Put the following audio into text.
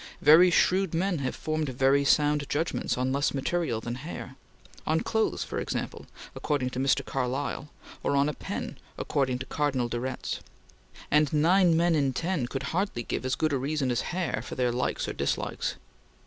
Very shrewd men have formed very sound judgments on less material than hair on clothes, for example, according to Mr. Carlyle, or on a pen, according to Cardinal de Retz and nine men in ten could hardly give as good a reason as hair for their likes or dislikes.